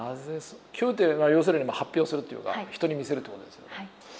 共有って要するに発表するっていうか人に見せるということですよね。